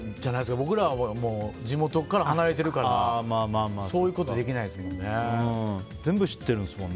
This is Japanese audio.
僕らは地元から離れてるから、そういうことできないですもんね。